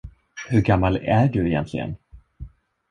Hur gammal är du egentligen?